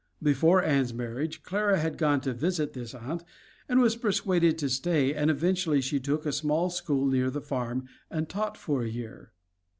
Before Ann's marriage Clara had gone to visit this aunt and was persuaded to stay, and eventually she took a small school near the farm and taught for a year.